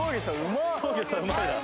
うまいな。